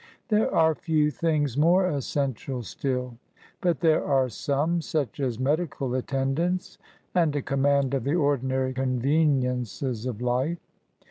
There are few things more essential still : but there are some ;— such as medical attendance, and a command of the ordinary conveniences of life.